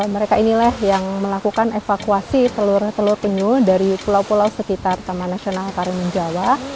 mereka inilah yang melakukan evakuasi telur telur penyu dari pulau pulau sekitar taman nasional karimun jawa